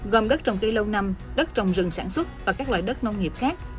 gồm đất trồng cây lâu năm đất trồng rừng sản xuất và các loại đất nông nghiệp khác